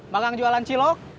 magang jualan cilok